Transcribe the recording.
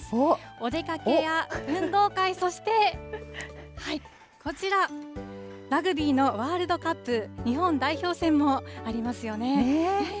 お出かけや運動会、そしてこちら、ラグビーのワールドカップ日本代表戦もありますよね。